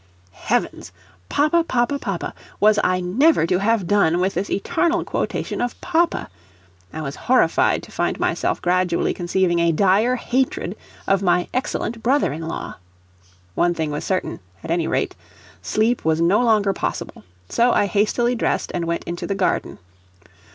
Heavens! Papa! papa! papa! Was I never to have done with this eternal quotation of "papa"? I was horrified to find myself gradually conceiving a dire hatred of my excellent brother in law. One thing was certain, at any rate: sleep was no longer possible; so I hastily dressed, and went into the garden.